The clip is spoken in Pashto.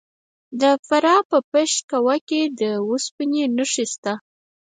د فراه په پشت کوه کې د وسپنې نښې شته.